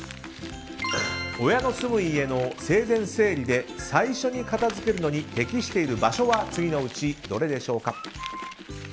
親の住む家の生前整理で最初に片付けるのに適している場所は次のうちどれでしょうか？